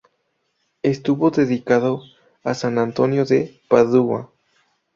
Estuvo dedicado a San Antonio de Padua.